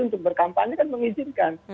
untuk berkampanye kan mengizinkan